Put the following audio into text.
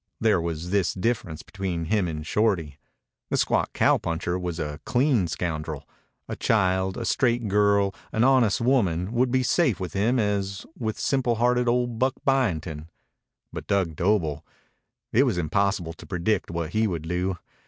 There was this difference between him and Shorty. The squat cowpuncher was a clean scoundrel. A child, a straight girl, an honest woman, would be as safe with him as with simple hearted old Buck Byington. But Dug Doble it was impossible to predict what he would do.